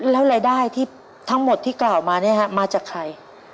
แล้วรายได้ที่ทั้งหมดที่กล่าวมาเนี่ยฮะมาจากใคร